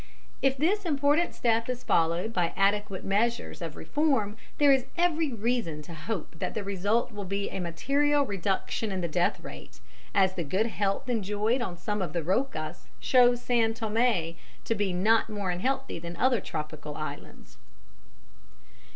] If this important step is followed by adequate measures of reform there is every reason to hope that the result will be a material reduction in the death rate, as the good health enjoyed on some of the rocas shows San Thomé to be not more unhealthy than other tropical islands.